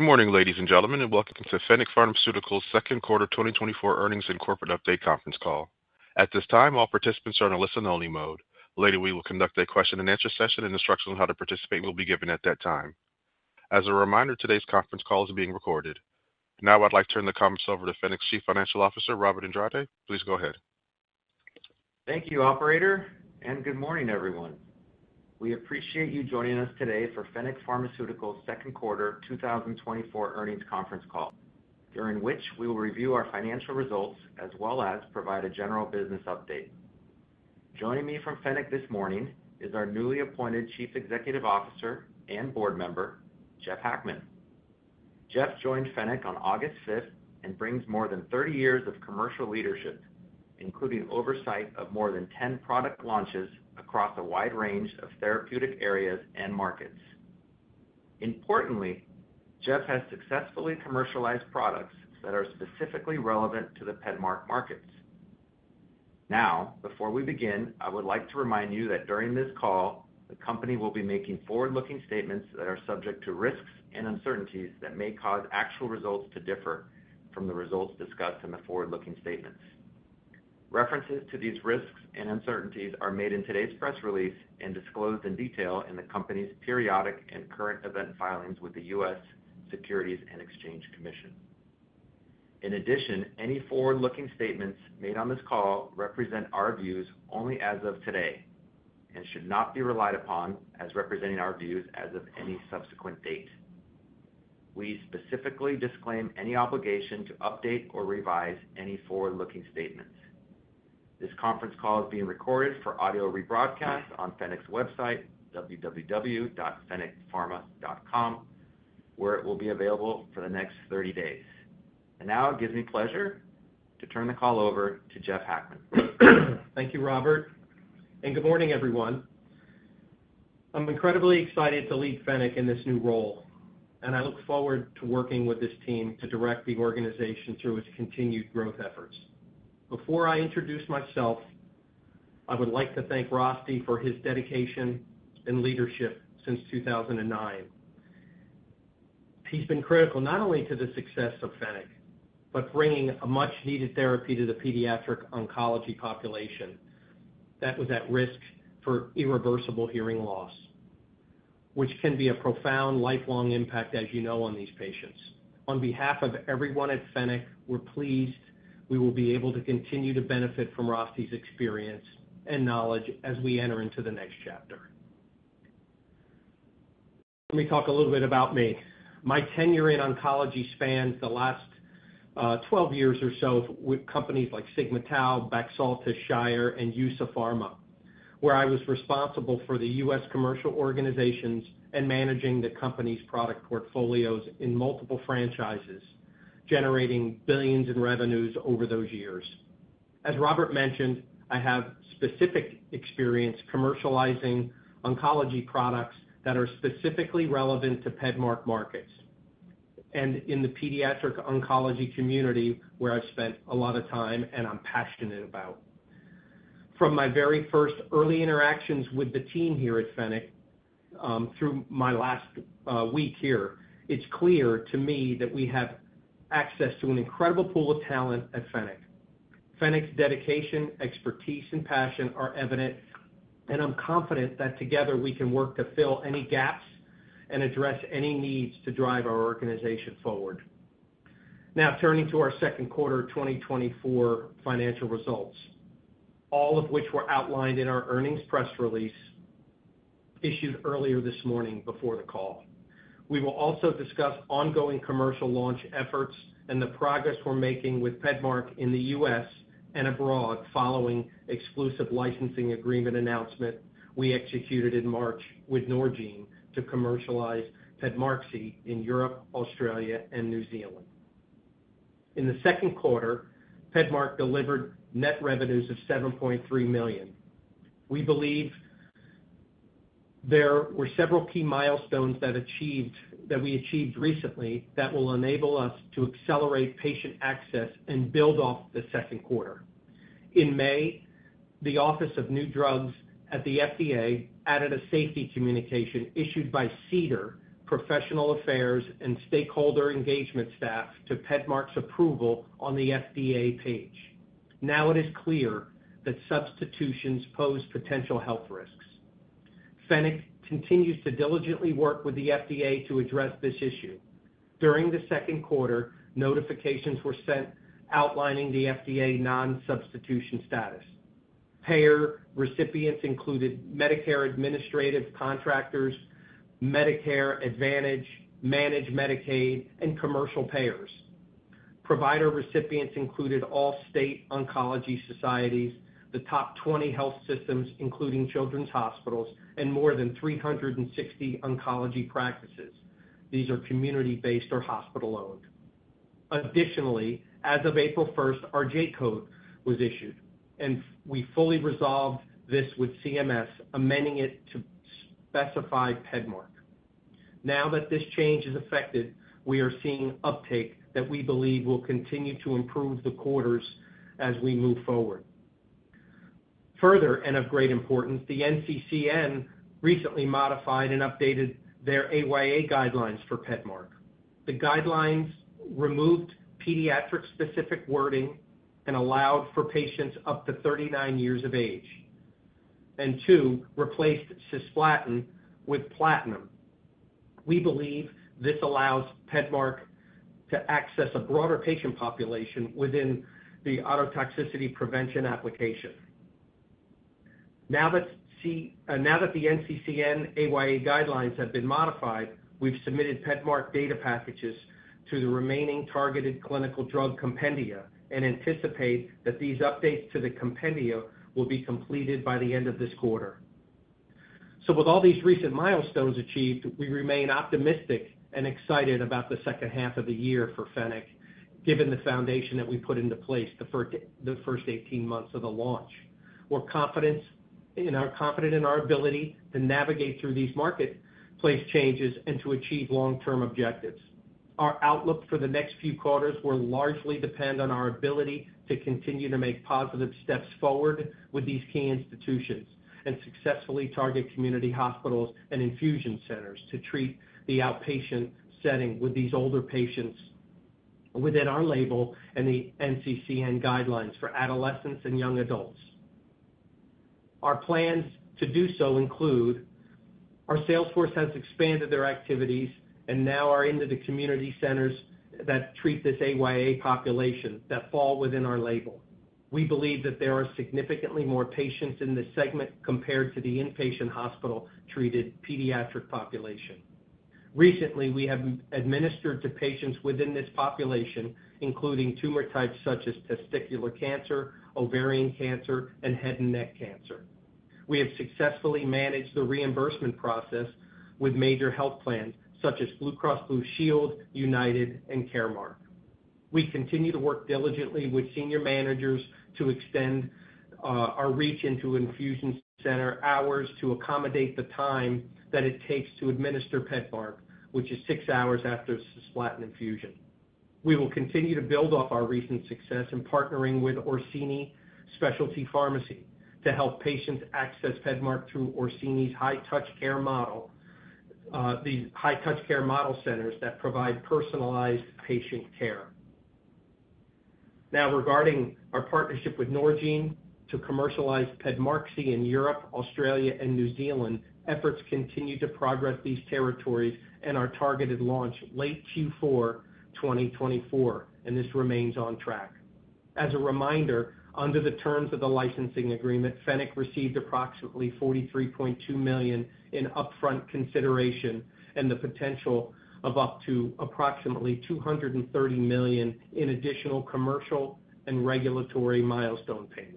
Good morning, ladies and gentlemen, and welcome to Fennec Pharmaceuticals' Q2 2024 Earnings and Corporate Update Conference Call. At this time, all participants are in a listen-only mode. Later, we will conduct a question-and-answer session, and instructions on how to participate will be given at that time. As a reminder, today's conference call is being recorded. Now, I'd like to turn the conference over to Fennec's Chief Financial Officer, Robert Andrade. Please go ahead. Thank you, operator, and good morning, everyone. We appreciate you joining us today for Fennec Pharmaceuticals' second quarter 2024 earnings conference call, during which we will review our financial results as well as provide a general business update. Joining me from Fennec this morning is our newly appointed Chief Executive Officer and board member, Jeff Hackman. Jeff joined Fennec on August 5 and brings more than 30 years of commercial leadership, including oversight of more than 10 product launches across a wide range of therapeutic areas and markets. Importantly, Jeff has successfully commercialized products that are specifically relevant to the PEDMARK markets. Now, before we begin, I would like to remind you that during this call, the company will be making forward-looking statements that are subject to risks and uncertainties that may cause actual results to differ from the results discussed in the forward-looking statements. References to these risks and uncertainties are made in today's press release and disclosed in detail in the company's periodic and current event filings with the US Securities and Exchange Commission. In addition, any forward-looking statements made on this call represent our views only as of today and should not be relied upon as representing our views as of any subsequent date. We specifically disclaim any obligation to update or revise any forward-looking statements. This conference call is being recorded for audio rebroadcast on Fennec's website, www.fennecpharma.com, where it will be available for the next 30 days. Now, it gives me pleasure to turn the call over to Jeff Hackman. Thank you, Robert, and good morning, everyone. I'm incredibly excited to lead Fennec in this new role, and I look forward to working with this team to direct the organization through its continued growth efforts. Before I introduce myself, I would like to thank Rosty for his dedication and leadership since 2009. He's been critical not only to the success of Fennec, but bringing a much-needed therapy to the pediatric oncology population that was at risk for irreversible hearing loss, which can be a profound, lifelong impact, as you know, on these patients. On behalf of everyone at Fennec, we're pleased we will be able to continue to benefit from Rosty's experience and knowledge as we enter into the next chapter. Let me talk a little bit about me. My tenure in oncology spans the last 12 years or so with companies like Sigma-Tau, Baxalta, Shire, and EUSA Pharma, where I was responsible for the U.S. commercial organizations and managing the company's product portfolios in multiple franchises, generating billions in revenues over those years. As Robert mentioned, I have specific experience commercializing oncology products that are specifically relevant to PEDMARK markets and in the pediatric oncology community, where I've spent a lot of time and I'm passionate about. From my very first early interactions with the team here at Fennec through my last week here, it's clear to me that we have access to an incredible pool of talent at Fennec. Fennec's dedication, expertise, and passion are evident, and I'm confident that together, we can work to fill any gaps and address any needs to drive our organization forward. Now, turning to our second quarter 2024 financial results, all of which were outlined in our earnings press release issued earlier this morning before the call. We will also discuss ongoing commercial launch efforts and the progress we're making with PEDMARK in the US and abroad, following exclusive licensing agreement announcement we executed in March with Norgine to commercialize PEDMARQSI in Europe, Australia, and New Zealand. In the second quarter, PEDMARK delivered net revenues of $7.3 million. We believe there were several key milestones that we achieved recently that will enable us to accelerate patient access and build off the second quarter. In May, the Office of New Drugs at the FDA added a safety communication issued by CDER, Professional Affairs and Stakeholder Engagement staff to PEDMARK's approval on the FDA page. Now it is clear that substitutions pose potential health risks. Fennec continues to diligently work with the FDA to address this issue. During the second quarter, notifications were sent outlining the FDA non-substitution status. Payer recipients included Medicare Administrative Contractors, Medicare Advantage, Managed Medicaid, and commercial payers. Provider recipients included all state oncology societies, the top 20 health systems, including children's hospitals, and more than 360 oncology practices. These are community-based or hospital-owned. Additionally, as of April first, our J-code was issued, and we fully resolved this with CMS, amending it to specify PEDMARK. Now that this change is affected, we are seeing uptake that we believe will continue to improve the quarters as we move forward. Further, and of great importance, the NCCN recently modified and updated their AYA guidelines for PEDMARK. The guidelines removed pediatric-specific wording and allowed for patients up to 39 years of age, and two, replaced cisplatin with platinum. We believe this allows PEDMARK to access a broader patient population within the ototoxicity prevention application. Now that the NCCN AYA guidelines have been modified, we've submitted PEDMARK data packages to the remaining targeted clinical drug compendia and anticipate that these updates to the compendia will be completed by the end of this quarter. So with all these recent milestones achieved, we remain optimistic and excited about the second half of the year for Fennec, given the foundation that we put into place the first 18 months of the launch. We're confident, and are confident in our ability to navigate through these marketplace changes and to achieve long-term objectives. Our outlook for the next few quarters will largely depend on our ability to continue to make positive steps forward with these key institutions, and successfully target community hospitals and infusion centers to treat the outpatient setting with these older patients within our label and the NCCN guidelines for adolescents and young adults. Our plans to do so include: our sales force has expanded their activities and now are into the community centers that treat this AYA population that fall within our label. We believe that there are significantly more patients in this segment compared to the inpatient hospital-treated pediatric population. Recently, we have administered to patients within this population, including tumor types such as testicular cancer, ovarian cancer, and head and neck cancer. We have successfully managed the reimbursement process with major health plans such as Blue Cross Blue Shield, United, and Caremark. We continue to work diligently with senior managers to extend, our reach into infusion center hours to accommodate the time that it takes to administer PEDMARK, which is six hours after cisplatin infusion. We will continue to build off our recent success in partnering with Orsini Specialty Pharmacy to help patients access PEDMARK through Orsini's high-touch care model, the high-touch care model centers that provide personalized patient care. Now, regarding our partnership with Norgine to commercialize PEDMARQSI in Europe, Australia, and New Zealand, efforts continue to progress these territories and our targeted launch late Q4 2024, and this remains on track. As a reminder, under the terms of the licensing agreement, Fennec received approximately $43.2 million in upfront consideration and the potential of up to approximately $230 million in additional commercial and regulatory milestone payments,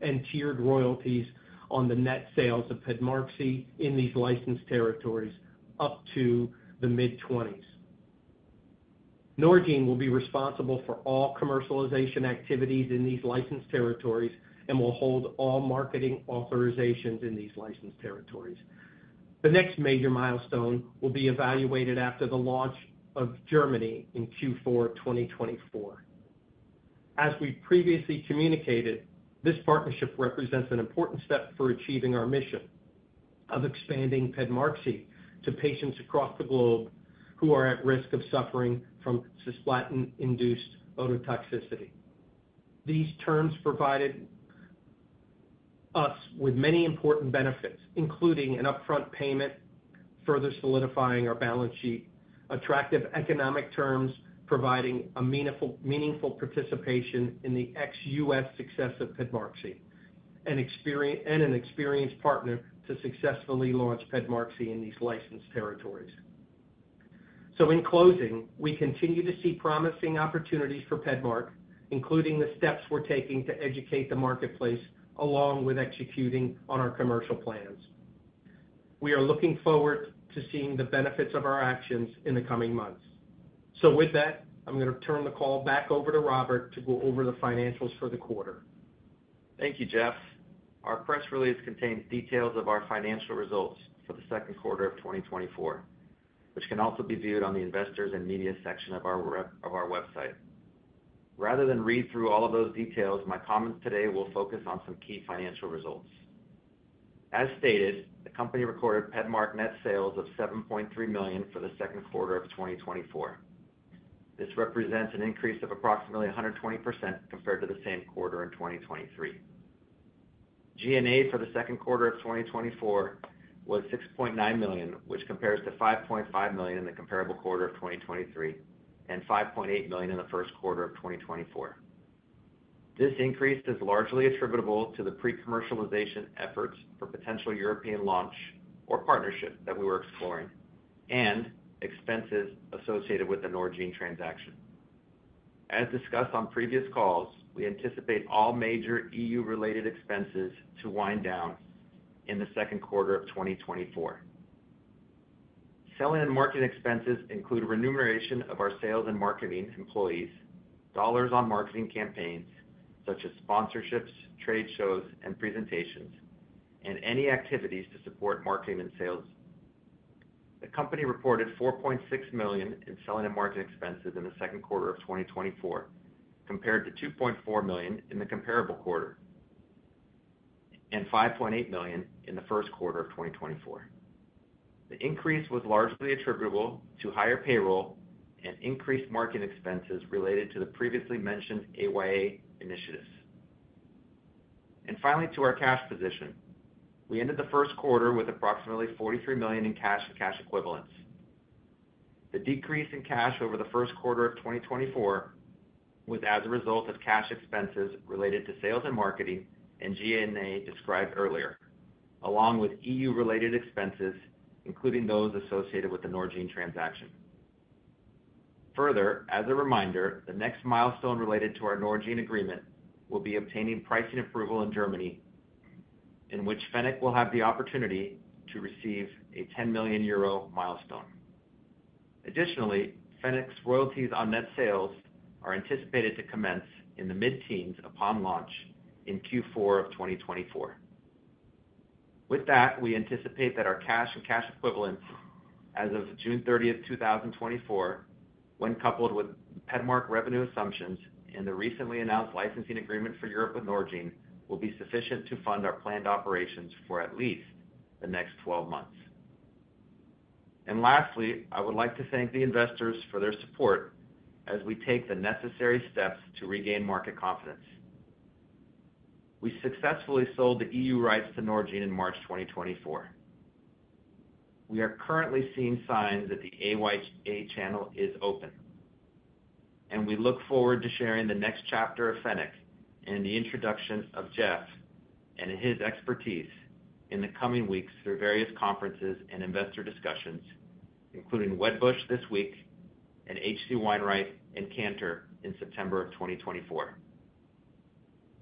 and tiered royalties on the net sales of PEDMARQSI in these licensed territories up to the mid-20s. Norgine will be responsible for all commercialization activities in these licensed territories and will hold all marketing authorizations in these licensed territories. The next major milestone will be evaluated after the launch in Germany in Q4 2024. As we previously communicated, this partnership represents an important step for achieving our mission of expanding PEDMARQSI to patients across the globe who are at risk of suffering from cisplatin-induced ototoxicity. These terms provided us with many important benefits, including an upfront payment, further solidifying our balance sheet, attractive economic terms, providing a meaningful participation in the ex-US success of PEDMARQSI, and an experienced partner to successfully launch PEDMARQSI in these licensed territories. So in closing, we continue to see promising opportunities for PEDMARK, including the steps we're taking to educate the marketplace, along with executing on our commercial plans. We are looking forward to seeing the benefits of our actions in the coming months. So with that, I'm going to turn the call back over to Robert to go over the financials for the quarter. Thank you, Jeff. Our press release contains details of our financial results for the second quarter of 2024, which can also be viewed on the Investors and Media section of our website. Rather than read through all of those details, my comments today will focus on some key financial results. As stated, the company recorded PEDMARK net sales of $7.3 million for the second quarter of 2024. This represents an increase of approximately 120% compared to the same quarter in 2023. G&A for the second quarter of 2024 was $6.9 million, which compares to $5.5 million in the comparable quarter of 2023, and $5.8 million in the first quarter of 2024. This increase is largely attributable to the pre-commercialization efforts for potential European launch or partnership that we were exploring, and expenses associated with the Norgine transaction. As discussed on previous calls, we anticipate all major EU-related expenses to wind down in the second quarter of 2024. Selling and marketing expenses include remuneration of our sales and marketing employees, dollars on marketing campaigns, such as sponsorships, trade shows, and presentations, and any activities to support marketing and sales. The company reported $4.6 million in selling and marketing expenses in the second quarter of 2024, compared to $2.4 million in the comparable quarter, and $5.8 million in the first quarter of 2024. The increase was largely attributable to higher payroll and increased marketing expenses related to the previously mentioned AYA initiatives. Finally, to our cash position. We ended the first quarter with approximately $43 million in cash and cash equivalents. The decrease in cash over the first quarter of 2024 was as a result of cash expenses related to sales and marketing, and G&A described earlier, along with EU-related expenses, including those associated with the Norgine transaction. Further, as a reminder, the next milestone related to our Norgine agreement will be obtaining pricing approval in Germany, in which Fennec will have the opportunity to receive a 10 million euro milestone. Additionally, Fennec's royalties on net sales are anticipated to commence in the mid-teens upon launch in Q4 of 2024. With that, we anticipate that our cash and cash equivalents as of June 30, 2024, when coupled with PEDMARK revenue assumptions and the recently announced licensing agreement for Europe with Norgine, will be sufficient to fund our planned operations for at least the next 12 months. And lastly, I would like to thank the investors for their support as we take the necessary steps to regain market confidence. We successfully sold the EU rights to Norgine in March 2024. We are currently seeing signs that the AYA channel is open, and we look forward to sharing the next chapter of Fennec and the introduction of Jeff and his expertise in the coming weeks through various conferences and investor discussions, including Wedbush this week and H.C. Wainwright and Cantor in September of 2024.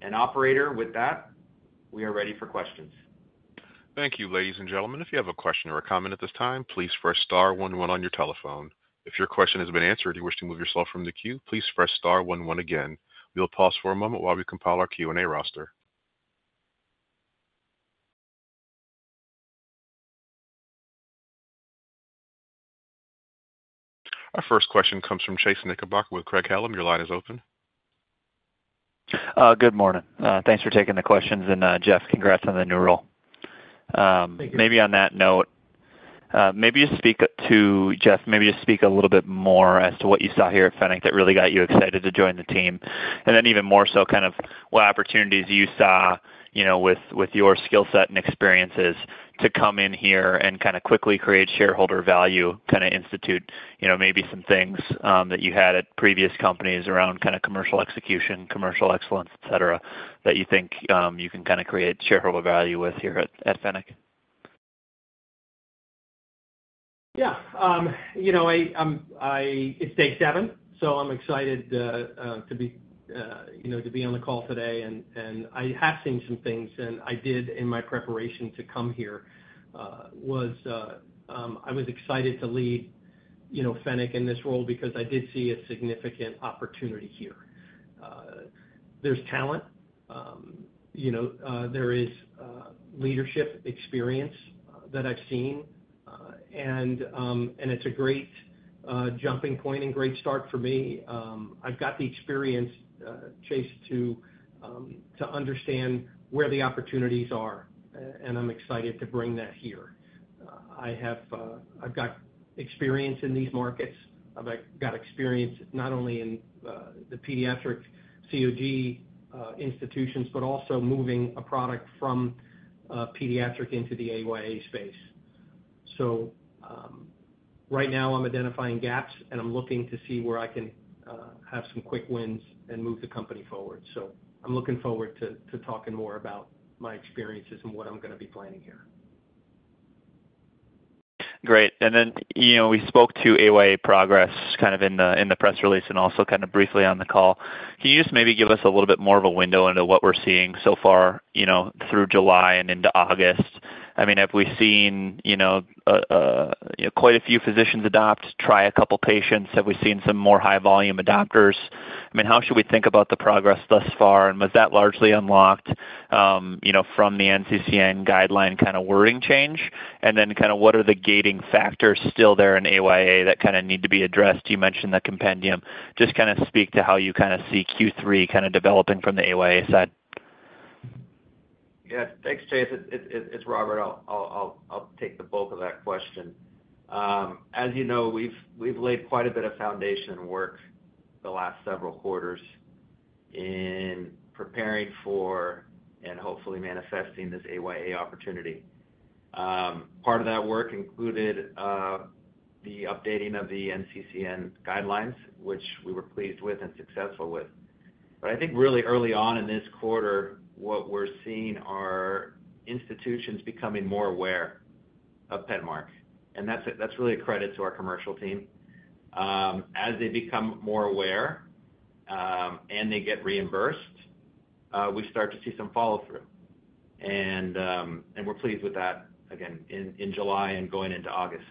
And operator, with that, we are ready for questions. Thank you, ladies and gentlemen. If you have a question or a comment at this time, please press star one one on your telephone. If your question has been answered, or you wish to move yourself from the queue, please press star one one again. We will pause for a moment while we compile our Q&A roster. Our first question comes from Chase Knickerbocker with Craig-Hallum. Your line is open. Good morning. Thanks for taking the questions, and, Jeff, congrats on the new role. Thank you. Maybe on that note, Jeff, maybe just speak a little bit more as to what you saw here at Fennec that really got you excited to join the team. And then even more so, kind of what opportunities you saw, you know, with your skill set and experiences to come in here and kind of quickly create shareholder value, kind of institute, you know, maybe some things that you had at previous companies around kind of commercial execution, commercial excellence, et cetera, that you think you can kind of create shareholder value with here at Fennec. Yeah, you know, it's day seven, so I'm excited to be, you know, to be on the call today. And I have seen some things, and I did in my preparation to come here, I was excited to lead, you know, Fennec in this role because I did see a significant opportunity here. There's talent, you know, there is leadership experience that I've seen. And it's a great jumping point and great start for me. I've got the experience, Chase, to understand where the opportunities are, and I'm excited to bring that here. I have, I've got experience in these markets. I've, like, got experience not only in the pediatric COG institutions, but also moving a product from pediatric into the AYA space. So right now I'm identifying gaps, and I'm looking to see where I can have some quick wins and move the company forward. So I'm looking forward to, to talking more about my experiences and what I'm gonna be planning here. Great. And then, you know, we spoke to AYA progress kind of in the, in the press release and also kind of briefly on the call. Can you just maybe give us a little bit more of a window into what we're seeing so far, you know, through July and into August? I mean, have we seen, you know, quite a few physicians adopt, try a couple patients? Have we seen some more high-volume adopters? I mean, how should we think about the progress thus far, and was that largely unlocked, you know, from the NCCN guideline kind of wording change? And then kind of what are the gating factors still there in AYA that kind of need to be addressed? You mentioned the compendium. Just kind of speak to how you kind of see Q3 kind of developing from the AYA side. Yeah. Thanks, Chase. It's Robert. I'll take the bulk of that question. As you know, we've laid quite a bit of foundation work the last several quarters in preparing for and hopefully manifesting this AYA opportunity. Part of that work included the updating of the NCCN guidelines, which we were pleased with and successful with. But I think really early on in this quarter, what we're seeing are institutions becoming more aware of PEDMARK, and that's really a credit to our commercial team. As they become more aware, and they get reimbursed, we start to see some follow-through. And we're pleased with that again in July and going into August.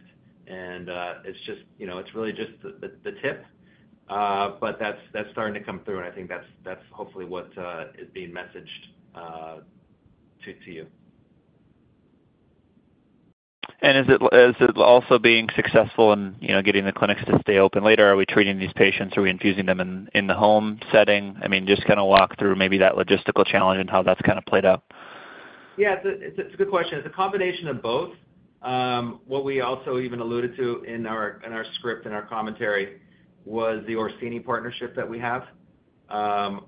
It's just, you know, it's really just the tip, but that's starting to come through, and I think that's hopefully what is being messaged to you. Is it, is it also being successful in, you know, getting the clinics to stay open later? Are we treating these patients, are we infusing them in, in the home setting? I mean, just kind of walk through maybe that logistical challenge and how that's kind of played out. Yeah, it's a good question. It's a combination of both. What we also even alluded to in our script, in our commentary, was the Orsini partnership that we have,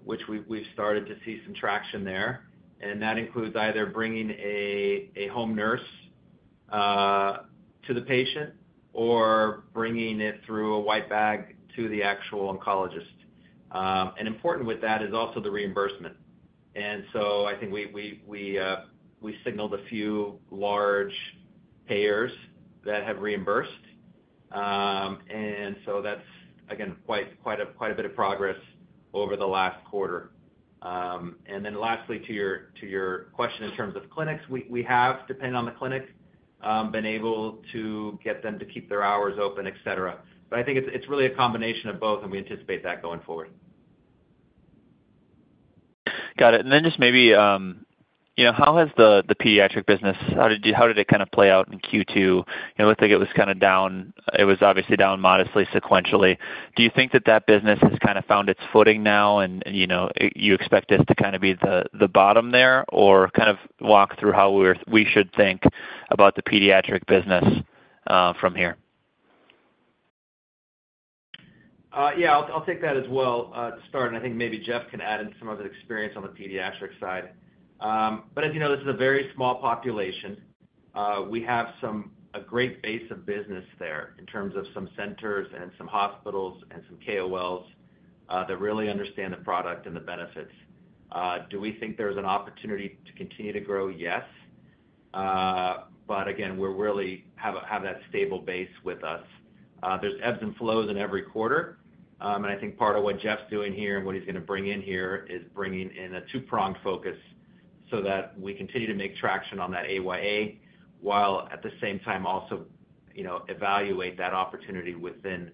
which we've started to see some traction there. That includes either bringing a home nurse to the patient or bringing it through a white bag to the actual oncologist. Important with that is also the reimbursement. So I think we signaled a few large payers that have reimbursed. That's again quite a bit of progress over the last quarter. Then lastly, to your question, in terms of clinics, we have, depending on the clinic, been able to get them to keep their hours open, et cetera. But I think it's, it's really a combination of both, and we anticipate that going forward. Got it. And then just maybe, you know, how has the pediatric business, how did it kind of play out in Q2? It looked like it was kind of down. It was obviously down modestly, sequentially. Do you think that that business has kind of found its footing now, and, you know, you expect it to kind of be the bottom there, or kind of walk through how we should think about the pediatric business from here? Yeah, I'll, I'll take that as well, to start, and I think maybe Jeff can add in some of his experience on the pediatric side. But as you know, this is a very small population. We have a great base of business there in terms of some centers and some hospitals and some KOLs that really understand the product and the benefits. Do we think there's an opportunity to continue to grow? Yes. But again, we're really have, have that stable base with us. There's ebbs and flows in every quarter. And I think part of what Jeff's doing here and what he's going to bring in here is bringing in a two-pronged focus so that we continue to make traction on that AYA, while at the same time also, you know, evaluate that opportunity within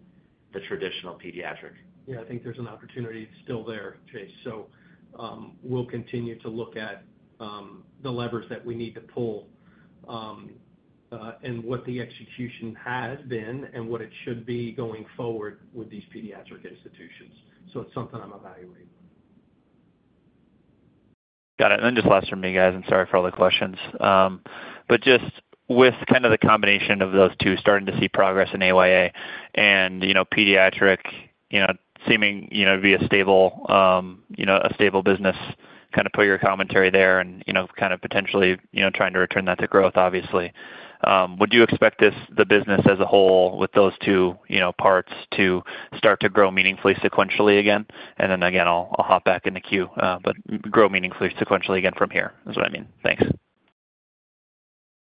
the traditional pediatric. Yeah, I think there's an opportunity still there, Chase. So, we'll continue to look at the levers that we need to pull and what the execution has been and what it should be going forward with these pediatric institutions. So it's something I'm evaluating. Got it. And then just last from me, guys, I'm sorry for all the questions. But just with kind of the combination of those two, starting to see progress in AYA and, you know, pediatric, you know, seeming, you know, to be a stable, you know, a stable business, kind of put your commentary there and, you know, kind of potentially, you know, trying to return that to growth, obviously. Would you expect this, the business as a whole, with those two, you know, parts to start to grow meaningfully sequentially again? And then again, I'll, I'll hop back in the queue, but grow meaningfully sequentially again from here, is what I mean. Thanks.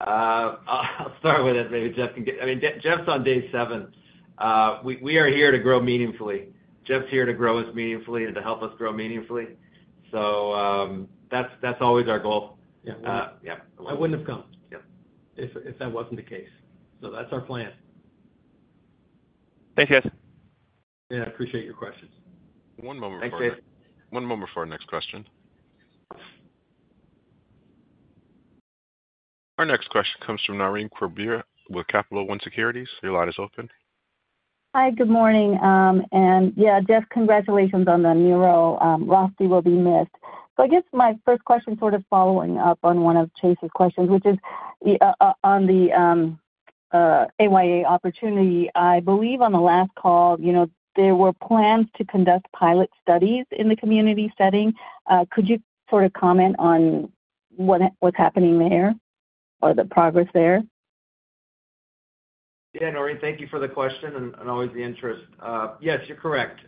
I'll start with it. Maybe Jeff can get... I mean, Jeff's on day seven. We are here to grow meaningfully. Jeff's here to grow us meaningfully and to help us grow meaningfully. So, that's always our goal. Yeah. Uh, yeah. I wouldn't have come- Yeah... if that wasn't the case. So that's our plan. Thank you, guys. Yeah, I appreciate your questions. One moment for- Thanks, Chase. One moment for our next question. Our next question comes from Naureen Quibria with Capital One Securities. Your line is open. Hi, good morning. And, yeah, Jeff, congratulations on the new role. Rosti will be missed. So I guess my first question, sort of following up on one of Chase's questions, which is on the AYA opportunity. I believe on the last call, you know, there were plans to conduct pilot studies in the community setting. Could you sort of comment on what, what's happening there or the progress there? Yeah, Naureen, thank you for the question and, and always the interest. Yes, you're correct.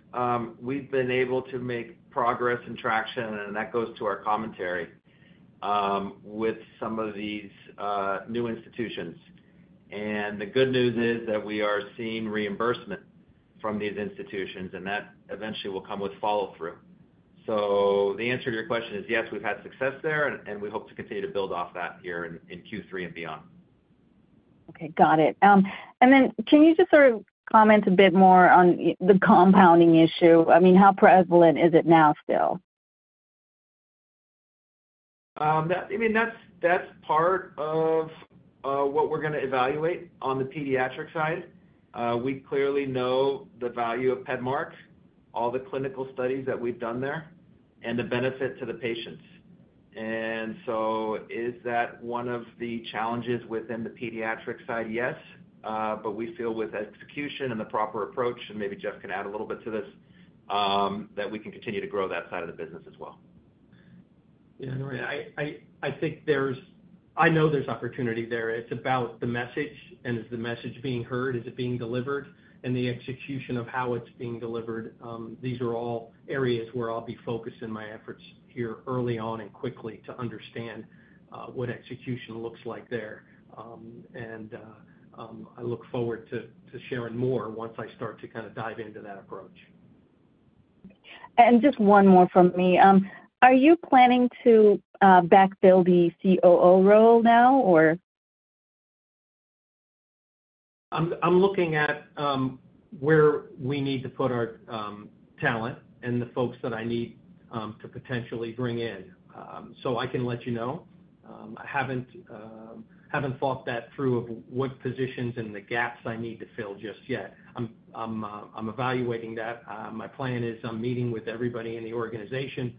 We've been able to make progress and traction, and that goes to our commentary with some of these new institutions. The good news is that we are seeing reimbursement from these institutions, and that eventually will come with follow-through. The answer to your question is yes, we've had success there, and, and we hope to continue to build off that here in Q3 and beyond. Okay, got it. And then can you just sort of comment a bit more on the compounding issue? I mean, how prevalent is it now still? I mean, that's part of what we're gonna evaluate on the pediatric side. We clearly know the value of PEDMARK, all the clinical studies that we've done there, and the benefit to the patients. And so is that one of the challenges within the pediatric side? Yes, but we feel with execution and the proper approach, and maybe Jeff can add a little bit to this, that we can continue to grow that side of the business as well. Yeah, Naureen, I think there's. I know there's opportunity there. It's about the message, and is the message being heard, is it being delivered, and the execution of how it's being delivered. These are all areas where I'll be focused in my efforts here early on and quickly to understand what execution looks like there. And I look forward to sharing more once I start to kind of dive into that approach. Just one more from me. Are you planning to backfill the COO role now, or?... I'm looking at where we need to put our talent and the folks that I need to potentially bring in. So I can let you know. I haven't thought that through of what positions and the gaps I need to fill just yet. I'm evaluating that. My plan is I'm meeting with everybody in the organization.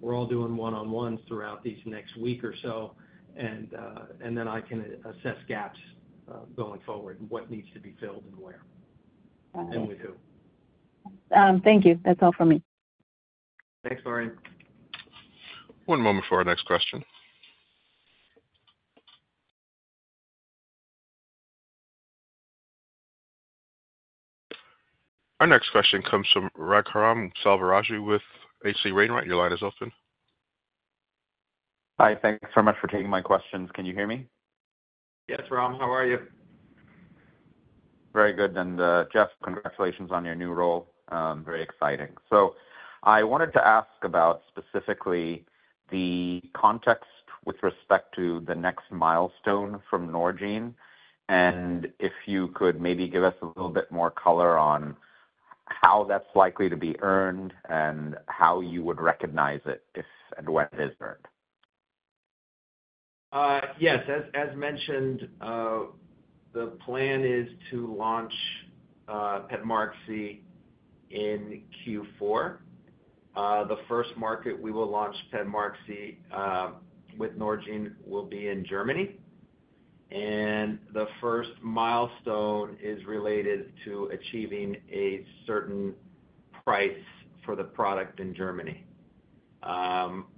We're all doing one-on-ones throughout this next week or so, and then I can assess gaps going forward, and what needs to be filled and where- Okay. And with who? Thank you. That's all for me. Thanks, Laurie. One moment for our next question. Our next question comes from Raghuram Selvaraju with H.C. Wainwright. Your line is open. Hi, thanks so much for taking my questions. Can you hear me? Yes, Ram, how are you? Very good. And, Jeff, congratulations on your new role, very exciting. So I wanted to ask about specifically the context with respect to the next milestone from Norgine, and if you could maybe give us a little bit more color on how that's likely to be earned and how you would recognize it if and when it is earned. Yes. As mentioned, the plan is to launch PEDMARQSI in Q4. The first market we will launch PEDMARQSI with Norgine will be in Germany, and the first milestone is related to achieving a certain price for the product in Germany.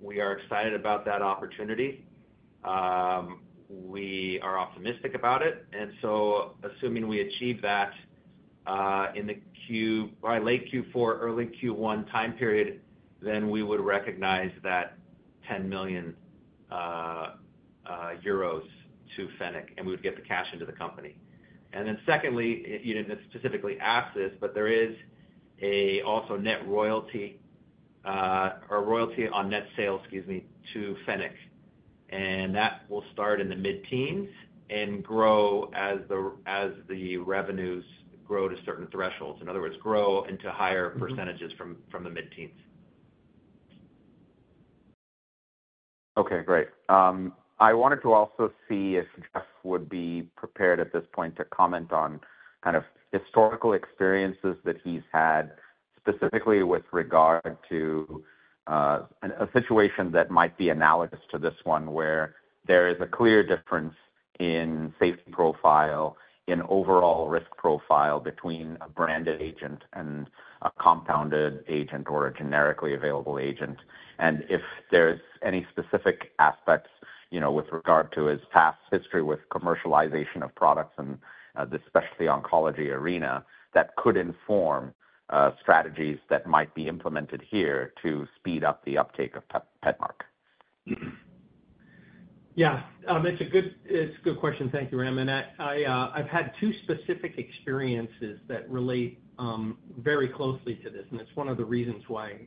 We are excited about that opportunity. We are optimistic about it, and so assuming we achieve that, in the Q- by late Q4, early Q1 time period, then we would recognize that 10 million euros to Fennec, and we would get the cash into the company. And then secondly, you didn't specifically ask this, but there is a also net royalty, or royalty on net sales, excuse me, to Fennec, and that will start in the mid-teens and grow as the revenues grow to certain thresholds. In other words, grow into higher percentages from the mid-teens. Okay, great. I wanted to also see if Jeff would be prepared at this point to comment on kind of historical experiences that he's had, specifically with regard to a situation that might be analogous to this one, where there is a clear difference in safety profile, in overall risk profile between a branded agent and a compounded agent or a generically available agent. And if there's any specific aspects, you know, with regard to his past history with commercialization of products and the specialty oncology arena, that could inform strategies that might be implemented here to speed up the uptake of PEDMARQSI. Yeah. It's a good, it's a good question. Thank you, Ram. I've had two specific experiences that relate very closely to this, and it's one of the reasons why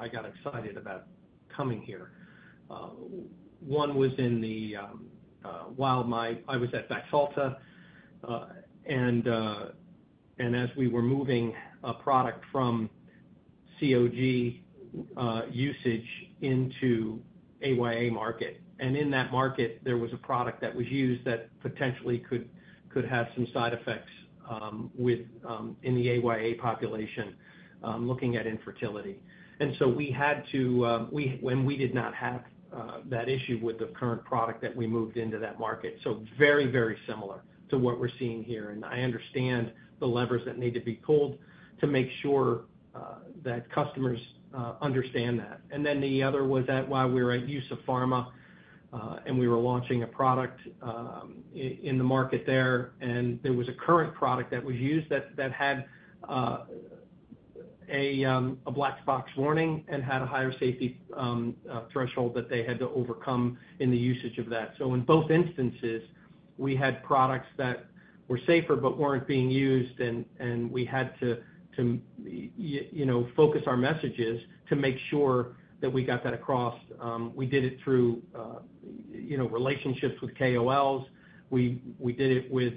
I got excited about coming here. One was in the while I was at Baxalta, and as we were moving a product from COG usage into AYA market. And in that market, there was a product that was used that potentially could have some side effects with in the AYA population looking at infertility. And so we had to and we did not have that issue with the current product that we moved into that market. So very, very similar to what we're seeing here, and I understand the levers that need to be pulled to make sure that customers understand that. And then the other was that while we were at EUSA Pharma, and we were launching a product, in the market there, and there was a current product that was used that had a black box warning and had a higher safety threshold that they had to overcome in the usage of that. So in both instances, we had products that were safer but weren't being used, and we had to you know focus our messages to make sure that we got that across. We did it through you know relationships with KOLs. We did it with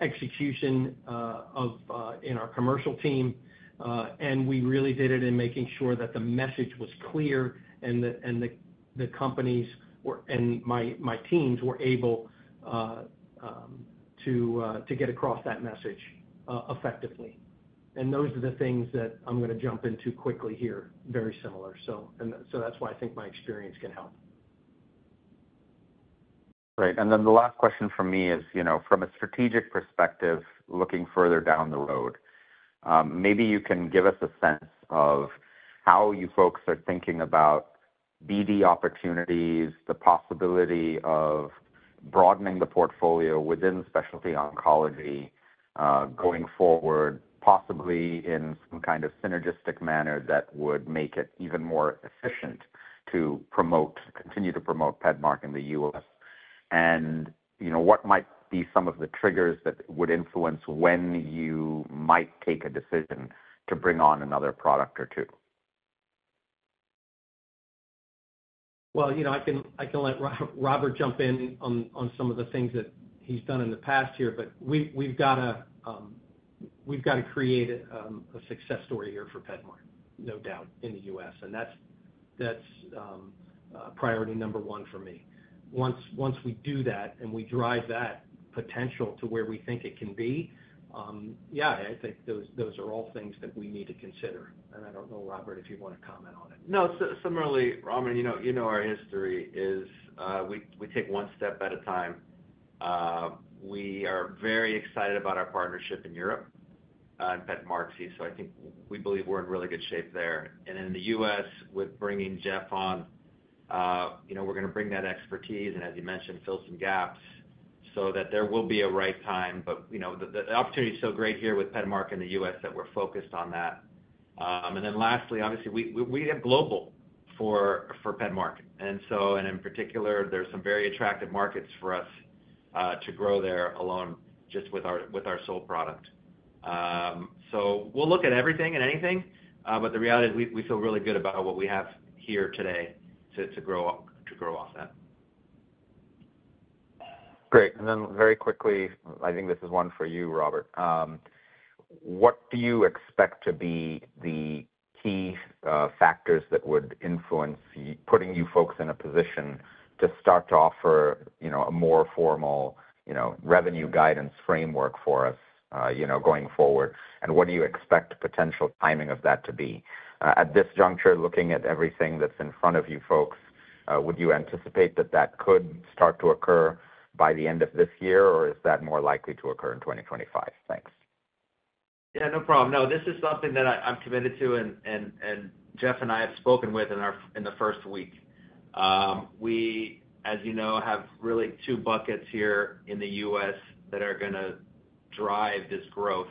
execution in our commercial team, and we really did it in making sure that the message was clear and the companies were, and my teams were able to get across that message effectively. And those are the things that I'm gonna jump into quickly here, very similar. So that's why I think my experience can help. Great. And then the last question from me is, you know, from a strategic perspective, looking further down the road, maybe you can give us a sense of how you folks are thinking about BD opportunities, the possibility of broadening the portfolio within specialty oncology, going forward, possibly in some kind of synergistic manner that would make it even more efficient to promote, continue to promote PEDMARK in the US. And, you know, what might be some of the triggers that would influence when you might take a decision to bring on another product or two? ...Well, you know, I can let Robert jump in on some of the things that he's done in the past here, but we've got to create a success story here for PEDMARK, no doubt, in the US. That's priority number one for me. Once we do that, and we drive that potential to where we think it can be, yeah, I think those are all things that we need to consider. I don't know, Robert, if you'd want to comment on it. No, similarly, Raghuram, you know, you know our history is, we take one step at a time. We are very excited about our partnership in Europe, in PEDMARK. So I think we believe we're in really good shape there. And in the U.S., with bringing Jeff on, you know, we're gonna bring that expertise, and as you mentioned, fill some gaps so that there will be a right time. But, you know, the opportunity is so great here with PEDMARK in the U.S. that we're focused on that. And then lastly, obviously, we have global for PEDMARK. And so, in particular, there's some very attractive markets for us, to grow there alone just with our sole product. So we'll look at everything and anything, but the reality is we feel really good about what we have here today to grow off that. Great. And then very quickly, I think this is one for you, Robert. What do you expect to be the key factors that would influence putting you folks in a position to start to offer, you know, a more formal, you know, revenue guidance framework for us, you know, going forward? And what do you expect potential timing of that to be? At this juncture, looking at everything that's in front of you folks, would you anticipate that that could start to occur by the end of this year, or is that more likely to occur in 2025? Thanks. Yeah, no problem. No, this is something that I, I'm committed to, and Jeff and I have spoken with in the first week. We, as you know, have really two buckets here in the U.S. that are gonna drive this growth,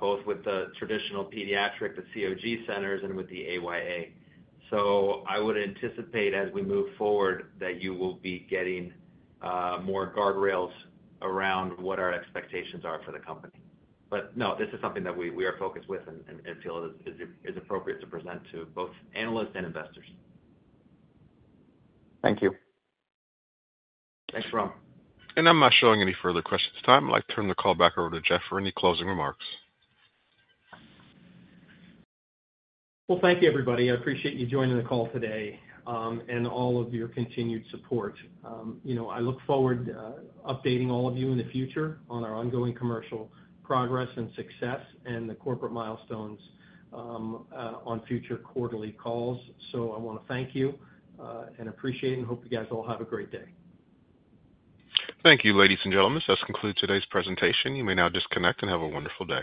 both with the traditional pediatric, the COG centers, and with the AYA. So I would anticipate, as we move forward, that you will be getting more guardrails around what our expectations are for the company. But no, this is something that we are focused with and feel is appropriate to present to both analysts and investors. Thank you. Thanks, Ram. I'm not showing any further questions. At this time, I'd like to turn the call back over to Jeff for any closing remarks. Well, thank you, everybody. I appreciate you joining the call today, and all of your continued support. You know, I look forward updating all of you in the future on our ongoing commercial progress and success and the corporate milestones, on future quarterly calls. So I want to thank you, and appreciate it, and hope you guys all have a great day. Thank you, ladies and gentlemen. This does conclude today's presentation. You may now disconnect, and have a wonderful day.